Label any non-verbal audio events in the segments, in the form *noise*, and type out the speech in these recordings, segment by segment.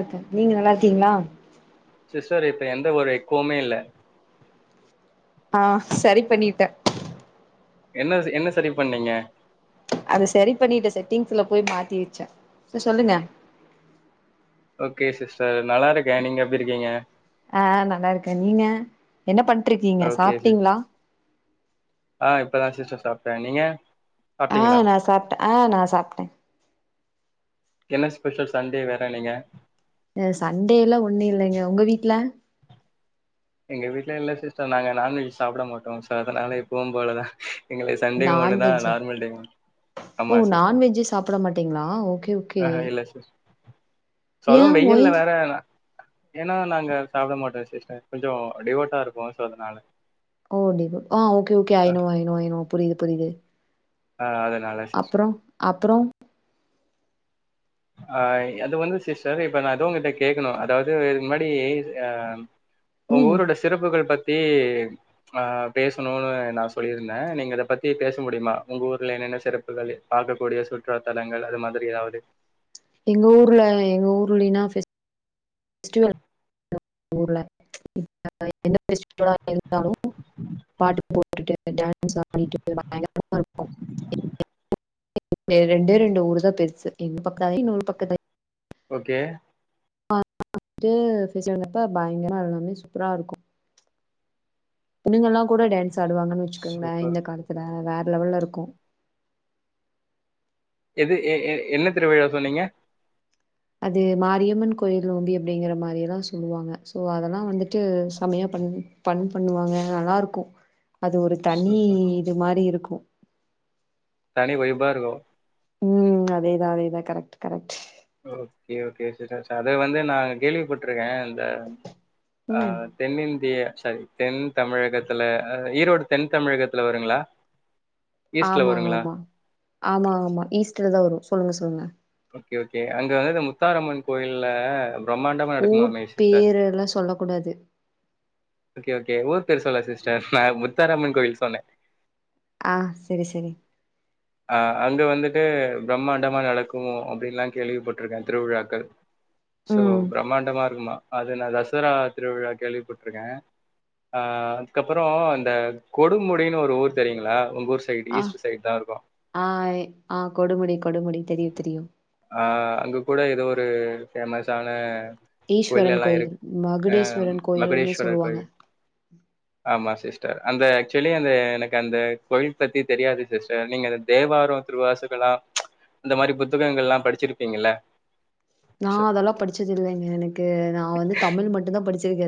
அக்க நீங்க நல்லா இருக்கீங்ளா சிஸ்டர் இப்ப எந்த ஒரு எக்கோமே இலல ஆ சரி பண்ணிட்டே என்ன வச்சி என்ன சரி பண்ணீங்க அது சரி பண்ணிட்டே செட்டிங்ஸ்ல போய் மாத்தி வச்சேன் சர் சொல்லுங்க ஓகே சிஸ்டர் நல்லா இருக்கே நீங்க எப்டி இருக்கீங்க ஆ நல்லா இருக்கேன் நீங்க என்ன பண்ட்ருக்கீங்க ஓகே சிஸ் சாப்பிட்டீங்களா ஆ இப்பதான் சிஸ்டர் சாப்ட்டேன் நீங்க ஆ சாப்ட்டீங்களா நான் சாப்டேன் ஆஹ் நான் சாப்டேன் என்ன ஸ்பெஷல் சண்டே வேற நீங்க அ சண்டேல ஒண்ணு இல்லைங்க உங்க வீட்ல எங்க வீட்ல இல்ல சிஸ்டர் நாங்க நாண்வெஜ் சாப்ட மாட்டோம் சோ அதனால எப்பவும் போலதான் எங்களுக்கு சண்டே ஒண்ணுதான் நான்வெஜ்ஜு நார்மல்டேவு ஆமா ஓ சிஸ்டர் நான்வெஜ்ஜே சாப்ட மாட்டீங்களா ஓகே ஓகே ஆஹா இல்ல சிஸ் சோ ஏ அதுவும் ஒய் வெயில் வேற ஏன்னா நாங்க சாப்ட மாட்டோம் சிஸ்டர் கொஞ்சோம் டிவோட்டா இருப்போம் சோ அதனால ஓ டிவோட் அ okay okay I ah know I know ஐனோ புரிது புரிது ஆ, அதனால சிஸ் அப்றோம் அப்றோம் ஆ அது வந்து சிஸ்டர் இப்ப நான் எது உங்கிட்ட கேக்கணும் அதாவது இதுக்கு முன்னாடி அ உங்க ம் ஊரோட சிறப்புகள் பத்தி ஆ பேசணும்னு நான் சொல்லியிருந்தேன் நீங்க அத பத்தி பேச முடியுமா உங்க ஊர்ல என்னென்ன சிறப்புகள் பார்க்கக்கூடிய சுற்றுலா தலங்கள் அது மாதிரி ஏதாவது எங்க ஊர்ல எங்க ஊர்லினா *unintelligible* ஓகே வந்துட்டு ஃபெஸ்டிவலப்ப பயங்கரமா எல்லாமே சூப்பரா இருக்கும் புல்லிங்கல்லாம் கூட டான்ஸ் ஆடுவாங்கன்னு வச்சுக்கோங்களேன் சூப்பர் இந்த காலத்துல வேற வேறலெவல்ல இருக்கும் எது எ எ என்ன திருவிழா சொன்னீங்க அது மாரியம்மன் கோயில் நோம்பி அப்டிங்கிற மாரி எல்லாம் சொல்லுவாங்க சோ அதெல்லாம் வந்துட்டு செமையா பண் ஃபண் பண்ணுவாங்க நல்லா இருக்கும் அது ஒரு தனி சூப்பர் இது மாரி இருக்கும் ஒரே வைபா இருக்கும் உம் அதேதான் அதே தான் correct correct okay okay sister ச அத வந்து நான் கேள்விப்பட்ருக்கேன் அ அ ம். தென்னிந்தியா செரி தென் தமிழகத்துல ஈரோடு தென் தமிழகத்துல வருங்களா ஈஸ்ட்ல ஆமா வருங்களா ஆமா ஆமா ஆமா ஈஸ்டர் தான் வரும் சொல்லுங்க சொல்லுங்க ஓகே ஒகே அங்க வந்து முத்தாரம்மன் கோயில்ல வ ஊர் பேர் எல்லாம் சொல்ல கூடாது ஓகே ஓகே ஊர் பேர் சொல்ல சிஸ்டர் நான் முத்தாரமன் கோவில்லா சொன்னேன் ஆஹ் சரி சரி அ அங்க வந்துட்டு பிரம்மாண்டமா நடக்கும் இருக்கு அப்டின்ல்லாம் கேள்விப்பட்டிருக்கேன் திருவிழாக்கு சோ ம் பிரமாண்டமா இருக்குமா அது நான் தசரா திருவிழா கேள்விப்பட்டிருக்கேன் அதுக்கப்புறம் அந்த கொடுமுடினு ஒரு ஊர் தெரியங்கள உங்கஊர் ஆஹ் ஆஹா இ ஆஹ் கொடுமுடி கொடுமுடி தெரியு தெரியு அ அங்க கூட ஏதோ ஒரு ஒரு பேமஸ் ஆான ஈஸ்வரன் கோயில் மகுடீஸ்வரன் கோயில்னு மகுடேஸ்வரர் கோயில். சொல்லுவாங்க ஆமா அந்த ஆக்சுவலி அந்த எனக்கு அந்த கோயில் பத்தி தெரியாது சிஸ்டர் நீங்க அந்த தேவாரம் திருவாசக்கல்லா இந்த மாரி புத்தகங்கள் எல்லாம் படுச்சிருப்பீங்கள நான அதெல்லாம் படிச்சது இல்லங்க எனக்கு நான் வந்து தமிழ் மட்டும்தான் படிச்ச *inaudible*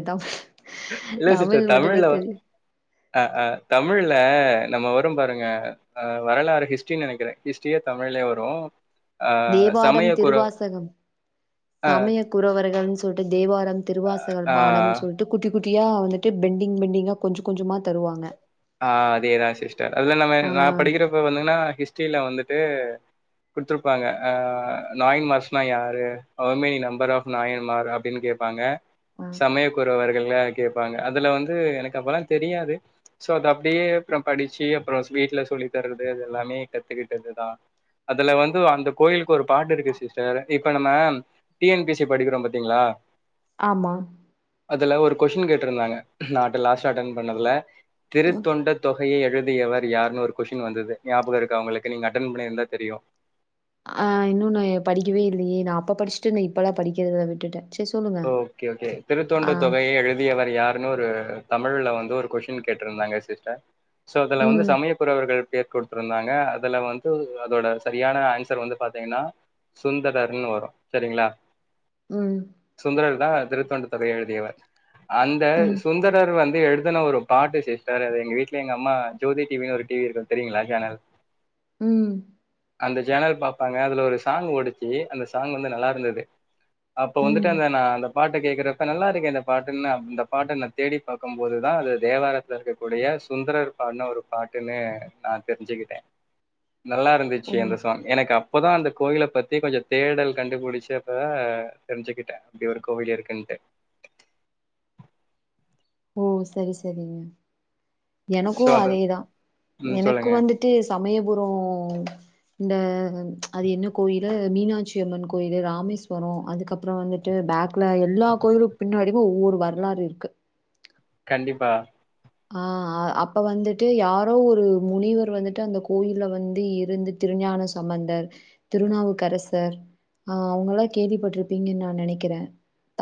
இல்ல சிஸ்டர் தமிழ்ல வ அஹ்ஹ் தமிழ்ல நம்ம வரும் பாருங்கஹ் வரலாறு ஹிஸ்ட்ரின்னு நினைக்கிறேன் ஹிஸ்டரியே தமிழ்லயே வரும் அ தேவாரம் சமயக்குற திருவாசகம் அ, சமய குறவர்கள்னு சொல்லிட்டு தேவாரம் திருவாசக ஆ, பாடம்னு சொல்லிட்டு குட்டி குட் குடியா வந்துட்டு பெண்டிங் பெண்டிங்கா கொஞ்சம் கொஞ்சமா தருவாங்ங ஆஹ் அதேதான் சிஸ்டர் அதுல நம்ம நான் படிக்கிறப்ப வந்துங்கன்னா ஹிஸ்ட்ரியில வந்து விட்டு கொடுத்துருப்பாங்க நாயன் மார்ஸ்னா யார் அவர்மேனி நம்பர் ஆஃப் நாயன் மார் அப்டின்னு கேட்பாங்க ஆ சமயக்குறவர் கில்லா கேட்பாங்க அதுல வந்து எனக்கு அப்பல்லாம் தெரியாது சோ அது அப்படியே அப்புறம் படிச்சு அப்புறம் ஸ்விட்ல சொல்லி தரறது அது எல்லாமே கத்துக்கிட்டது தான் அதுல வந்து அந்த கோயில் ஒரு பாட்டு இருக்கு சிஸ்டர் இப் இப்ப நம்ம டி என் பிசி படிக்கிறோம் பாத்தீங்களா ஆமா அதுல ஒரு கொஷ்டின் கேட்டு இருந்தாங்க நாட்டு லாஸ்ட் அட்டன்பண்ணதுல ம் திருத்தொண்ட தொ கதயை எழுதியவர் யாருன்னு ஒரு கொஷ்டின் வந்தது ஞாபகம் இருக்கு வுங்களுக்கு நீங்க அட்டன் பண்ணியிருந்தா தெரியும் ஆஹ் இன்னும்ன்னு எ படிக்கவே இல்லையே நான் அப்ப படிச்சுட்டு நான் இப்பல்லாம் படிக்கிறத விட்டுட்டேன் சரி சொல்லுங்க ஓகே ஓகே திருத்தொண்டு ஆ தொகையை எழுதியவர் யாருன்னு ஒரு தமிழ்ல வந்து ஒரு கொஷின் கேட்டிருந்தாங்க சிஸ்டர் சோ அதுல வந்து ம் சமயக்குறவர்கள் கே கொடுத்திருந்தாங்க அதுல வந்து அதோட செரியான ஆன்சர் வந்து பாத்தீங்கன்னா சுந்தரர்ன்னு வரும் சரிங்களா உம் சுந்தரர் தா திருத்தொண்ட தொகை எழுதியவர் அந்த ம் சுந்தரர் வந்து எழுதுன ஒரு பாட்டு சிஸ்டர் அது எங்க வீட்டுல எங்க அம்மா ஜோதி டிவின்னு ஒரு டிவி இருக்கு தெரியுங்களா சேனல் உம் அந்த சேனல் பார்பாங்க அதுல ஒரு சாங் ஓடிச்சி அந்த சாங் வந்து நல்லா இருந்தது அப்ப வந்து ம் *unintelligible* பாட்ட கேக்குறப்ப நல்லா இருக்கு இந்த பாட்டுன்னு இந்த பாட்டை ந தேடி பார்க்கும்போதுதா அது தேவாரத்துல இருக்கக்கூடிய சுந்தரர் பாடுனு ஒரு பாட்டுன்னு நான் தெரிஞ்சுக்கிட்டேன் நல்லா இருந்துச்சு ஓ அந்த சாங் எனக்கா இப்போதா அந்த கோயில பத்தி கொஞ்ச தேடல் கண்டுபிடிச்சு அப்ப தெரிஞ்சுக்கி அப்டி ஒரு கோவில் இருக்குன்ட்டு ஓ செரி செரிங்க எனக்கு சோ அது அதேதா ம் எனக்கு சொல்லுங்க வந்துட்டு சமயபுரோ இந்த அது என்ன கோயிலு மீனாட்சி அம்மன் கோயிலு ராமேஸ்வரம் அதுக்கப்புறம் வந்துட்டு பேக்ல எல்லா கோயிலு பின்னாடிமே ஒவ்வொரு வரலாறு இருக்கு கண்டிப்பா ஆஹ் அப்ப வந்துட்டு யாரோ ஒரு முனிவர் வந்துட்டு அந்த கோயில்ல வந்து இருந்து திருஞான சம்பந்தர் திருநாவுக்கரசர் ஆஹ் அவுங்கலா கேள்விப்பட்டிருப்பீங்கன்னு நான் நினைக்கிறேன்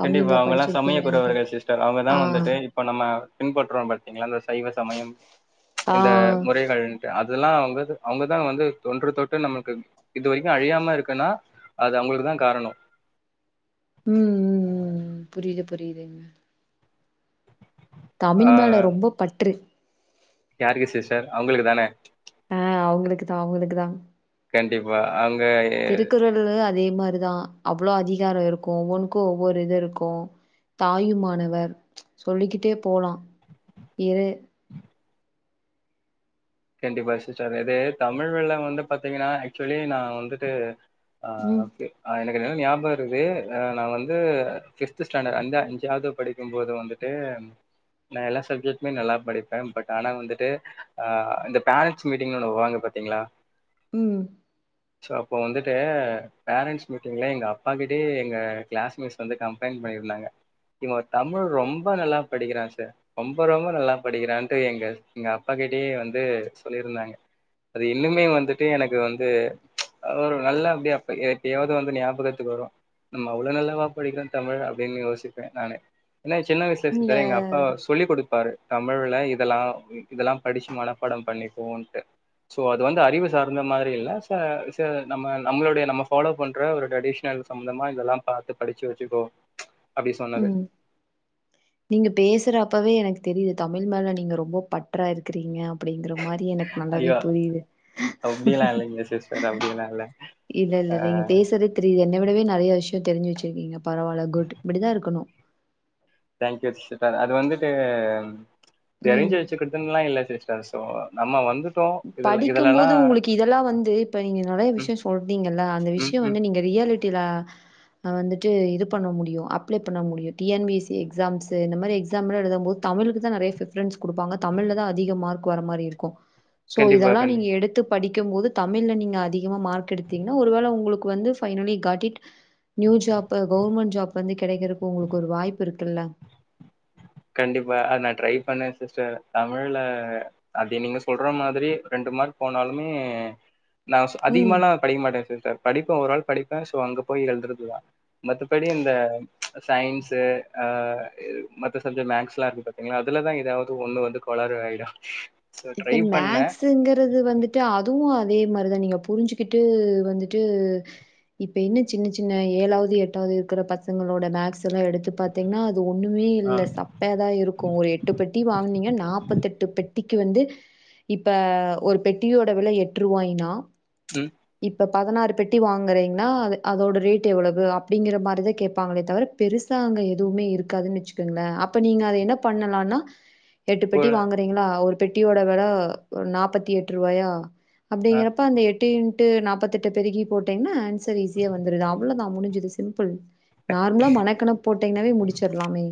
கண்டிப்பா அவங்கலா சமய குறவர்கள் சிஸ்டர் ஆ, அவங்கதான் வந்துட்டு இப்ப நம்ம பின்பற்றோம் பாத்தீங்களா சைவ சமயம் ஆ. இந்த முறைகள்ண்டு அ அதெல்லா அவுங்க அவுங்கதா வந்து தொன்று தொட்டு நம்மளுக்கு இது வரைக்கு அழியாம இருக்குன்னா அது அவங்களுக்குதா காரணம் உம் உம் உம் புரியுது புரியுதுங்க ஆ தமிழ் மேல ரொம்ப பற்று யாருக்கு சிஸ்டர் அவங்களுக்கு தானே ஆஹ் அவங்களுக்கு தான்-அவங்களுக்கு தான் கண்டிப்பா அங்க திருக்குறளு அதே மாரிதா அவ்ளோ அதிகாரம் இருக்கோ ஒவ்வொனுக்கோ ஒவ்வொரு இது இருக்கோ தாயுமானவர் சொல்லிக்கிட்டே போலா இரு கண்டிப்பா சிஸ்டர் இது தமிழ்ல வந்து பாத்தீங்கன்னா ஆக்சுவலி நா வந்துட்டு ஆஹ் ம், ஓகே அ எனக் ஞாபக இருகுது நா வந்து பிப்து ஸ்டாண்டர்ட் அஞ்-அஞ்சாவது படிக்கும்போது வந்துட்டு நா எல்லா சப்ஜெக்ட்டமே நல்லா படிப்பேன் பட் ஆனா வந்துட்டு இந்த பேரண்ட்ஸ் மீட்டிங்னு ஒண்ணு வருவாங்க பாத்தீங்களா உம் சோ அப்போ வந்துட்டு பேரண்ட்ஸ் மீட்டிங்ல எங்க அப்பா கிட்டயே எங்க கிளாஸ்மேட்ஸ் வந்து கம்ப்ளைண்ட் பண்ணிருந்தாங்க இவுங்க தமிழ் ரொம்ப நல்லா படிக்கிறா சார் ரொம்ப ரொம்ப நல்லா படிக்கிறான்ட்டு எங்க எங்க அப்பா கிட்டயே வந் து சொல்லியிருந்தாங்க அது இன்னுமே வந்துட்டு எனக்கு வந்து ஒரு நல்ல அப்டியே அ எப்டியாவது வந்து ஞாபகத்துக்கு வரும் நம்ம அவ்ளோ நல்லவா படிக்கிறோ தமிழ் அப்டின்னு யோசிப்பேன் நானு என்னா சின்ன வயசுல நீங்க சிஸ்டர் எங்க அப்பா சொல்லி கொடுப்பாரு தமிழ்ல இதெலா இதெலா படிச்சுமன பாடம் பண்ணிக்கோன்ட்டு சோ அது வந்து அறிவு சார்ந்த மாரில்ல ச-ச நம்ம நம்ளோடைய நம்ம ஃபாலோ பண்ற ஒரு டிரடிஷ்னல் சம்பந்தமா இதெலா பார்த்து படிச்சி வச்சுக்கோ அப்டி சொன்னது ம் நீங்க பேசுறப்பவே எனக்கு தெரியுது தமில் மேல நீங்க ரொம்ப பற்றா இருக்கிறீங்க அப்டிங்கற மாரி எனக்கு நல்லாவே ஐயோ புரியுது அப்டியெல்லா இல்லைங்க சிஸ்டர் அப்டியெல்லா இல்ல அ இல்ல-இல்ல நீங்க பேசறதே தெரியுது என்ன விடவே நறைய விஷயம் தெரிஞ்சு வச்சிருக்கீங்க பரவாயில்ல குட் இப்படித்தான் இருக்கணும். தேங்கியூ சிஸ்டர் அது வந்துட்டு. ம் தெரிஞ்சு வச்சுக்கடுதுனுலாம் இல்லலை டிஸ் ப்போ நம்ம வந்து. படிக்கும்போது உங்களுக்கு இதெல்லாம் வந்து இப்ப நீங்க நெறைய ம் விஷயம் சொல்டீங்கல்ல அந்த ம் விஷயம் ம் வந்து நீங்க ரியாலிட். ட்டிலா நான் வந்துட்டு இது பண்ண முடியும் அப்ளை பண்ண முடியும் T N P S C exams இந்த மாதிரி எக்ஸாம்லாம் எழுதும் போது தமிழுக்கு தான் நறைய பிரபெரன்ஸ் கொடுப்பாங்க தமிழ்லதான் அதிக மார்க் வர மாரி இருக்கும். சோ கண்டிப்பா இதெல்லாம் கண்டி நீங்க எடுத்துப். படிக்கும்போது தமிழ்ல நீங்க அதிகமா மார்க் எடுத்தீங்கன்னா ஒருவேள உங்களுக்கு வந்து finally காட்டிட் new job government job வந்து கிடைக்கறதுக்கு உங்களுக்கு ஒரு வாய்ப்பு இருக்கு இல்ல. கண்டிப்பா அ நான் ட்ரை பண்ண சிஸ்டர் தமிழ்ல அத நீங்க சொல்ற மாதிரி ரெண்டு மார்க் போனாலுமே. நான் ம் அதிகமலாம் படிக்க மாட்டேன் சிஸ்டர் படிப்ப ஒராள். படிப்பேன் சோ அங்க போய் எழுதுறதுதான் மத்தபடி இந்த சயின்ஸு ஆ இல் மேக்ஸ் எலாம் இருக்கு பாத்தீங்களா அதுலதான் ஏதாவது ஒண்ணு வந்து கொளரா ஆகிடும். ம்ச் இப்ப மேக்ஸ்ங்குறது வந்துட்டு அதுவும் அது. அதே மாதிரிதான் நீங்க புரிஞ்சுகிட்டு வந்துட்டு இப்ப என்ன சின்ன சின்ன ஏழாவது எட்டாவது இருக்கிற பசங்களோட மேக்ஸ் எல்லாம் எடுத்து பாத்தீங்கன்னா. ஒண்ணுமே ஆ இல்லைன சப்பயாதா இருக்கும் ஒரு எட்டு பெட்டி வாங்கினீங்க நாற்பத்து எட்டு பெட்டி. க்கு வந்து இப்ப ஒரு பெட்டியோட விலை எட்டுருவாயின்னா. உம். இப்ப பதினாறு பெட்டி வாங்குறீங்கன்னா அதோட ரேட் எவ்வளவு அப்படிங்கிற மாதிரிதான் கேட்பாங்களே தவிர பெருசா அங்க எதுவுமே இருக்காதுன்னு வச்சுக்கோங்களே அப்ப நீங்க அத என்ன பண்ணலாம்னா. எட்டு பெட்டி போல வாங்குறீங்களா ஒரு. பெட்டியோட வெல ஒரு நாற்பத்தி எட்டு ரூபாயா. ஆ அப்படிங்கறப்ப அந்த எட். எட்டு இன்டு நாற்பத்தெட்டு பெருக்கி போட்டீங்கன்னா ஆன்சர் ஈஸியா வந்துடுது அவ்வளோ தான் முடிஞ்சுது சிம்பிள். நார்மலா மணக்கணக் போட்டீங்கன்னாவே முடிச்சிடலாமே.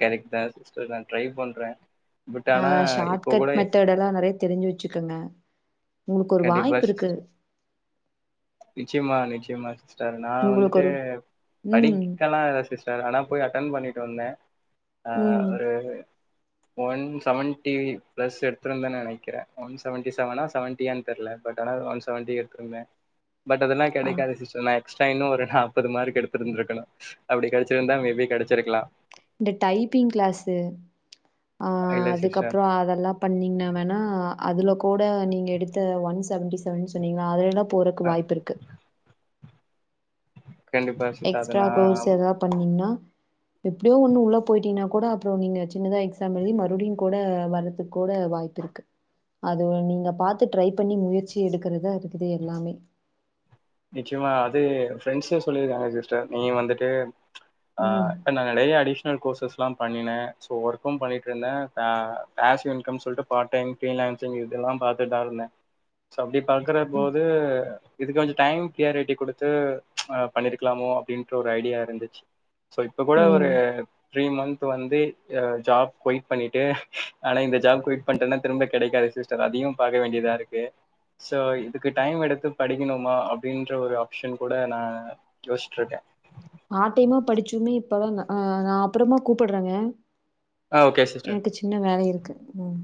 கரைட் தான் சிஸ்டர் நான் ட்ரைப் பண்ற. ஆஹ ஷார்ட் கட் மெத்தட் எல்லாம் நெறைய. தெரிஞ்சு வச்சுக்குங்க. உங்களுக்கு ஒரு கண்டிப்பா வாய்ப்பு சிஸ் இருக்கு. நிச்சயமா நிச்சயமா சிஸ்டர் நான் உங்களுக்கு வந்துட்டு ஒரு ம், படிக்கலாம் இல்ல சிஸ்டர் ஆனா போய் அட்டன் பண்ணிட்டு வந்தே ஆஹ ம். ஒரு. ஒன் செவன்ட்டி பிளஸ் எடுத்திருந்தேன் நான் நினைக்கிறேன் ஒன் செவன்டி செவனா செவன்ட்டியான்னு தெரியல பட் ஆனா ஒன் செவன்டி எடுத்திருந்தேன். பட் அதெல்லா ஆ கிடைக்காது சி்ஸ்டர் நா எப். எக்ஸ்டைனோ இன்னு நாப்பது மார்க் எடுத்துருந்துருக்கனும். அப்படி கிடைச்சிருந்தா மேபி கிடைச்சிருக்கலாம். இந்த டைப்பிங் கிளாஸ்சு. அஹ இல்ல சிஸ்டர் அதுக்கப்புறோ அதெல்லாம் பண்ணீங்கன்னா வேணா. அதில் கூட நீங்கள் எடுத்த ஒன் செவன்டி செவன் சொன்னீங்களா அதுல்லாம். போறக்கு வாய்ப்பு இருக்கு கண்டிப்பா சிஸ்டர் அது எக்ஸ்ட்ரா நா கோர்ஸ் எதா பண்ணீங்னா எப்படியோ ஒன்னு உள்ள போயிட்டீன்னா கூட அப்புற நீங்க சின்னதா எக்ஸாம் எழுதி மறுபடியும் கூட வர்றது கூட வாய்ப்பு இருக்கு அது நீங்க பார்த்து ட்ரை பண்ணி முயற்சி எடுக்கறதா இருக்குது எல்லாமே நிச்சயமா அது ஃப்ரெண்ட்ஸே சொல்லி இருக்காங்க சிஸ்டர் நீ வந்துட்டு ஆஹ் ம் இப்ப நாங்க நெறைய அடிஷ்னல் கோர்சஸ் பட்டம் தான் பண்ணினே சோ ஒர்க்கும் பண்ணிட்டு இருந்த ஆஸ் இன்கம் சொல்லிட்டு பார்ட் டைம் பினன்சிங் இதெல்லாம் பாத்துட்டு தா இருந்த சோ அப் பாக்கற ம் போது இது கொஞ்ச டைம் க்ளியாரிட்டி கொடுத்துப் பண்ணிருக்கலாமோ அப்படின்ற ஒரு ஐடியா இருந்துச்சு சோ இப்ப கூட ஒரு ம் த்ரி மன்த் வந்து ஆ ஜாப் கொயிட் பண்ணிட்டு ஆனா இந்த ஜாப் கொயிட் பண்ட்டேன்னா திரும்ப கிடைக்காது சிஸ்டர் அதையும் பாக்க வேண்டியதா இருக்கு ஸோ இதுக்கு டைம் எடுத்து படிக்கணு மா அப்டின்ற ஒரு ஆப்ஷன் கூட நா யோசிட்டு இருக்கே பார்ட் டைமா படிச்சுமே இப்பதான் நா ஆஹ் நா அப்புறமா கூப்டுறேங்க ஆ ஓகே சிஸ்டர் எனக்கு சின்ன வேல இருக்கு ம்